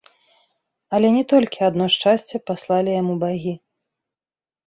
Але не толькі адно шчасце паслалі яму багі.